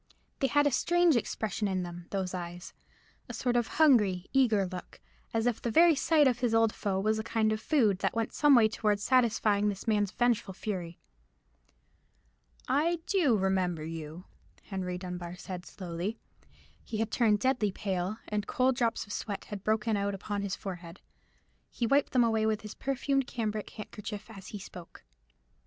They had a strange expression in them, those eyes—a sort of hungry, eager look, as if the very sight of his old foe was a kind of food that went some way towards satisfying this man's vengeful fury. "I do remember you," Henry Dunbar said slowly. He had turned deadly pale, and cold drops of sweat had broken out upon his forehead: he wiped them away with his perfumed cambric handkerchief as he spoke.